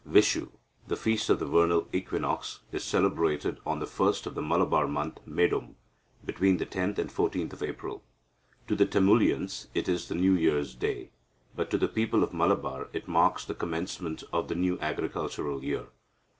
"Vishu, the feast of the vernal equinox, is celebrated on the first of the Malabar month Medom, between the 10th and 14th of April. To the Tamulians it is the New Year's day, but to the people of Malabar it marks the commencement of the new agricultural year.